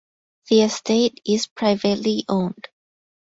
The estate is privately owned.